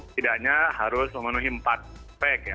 tidaknya harus memenuhi empat pek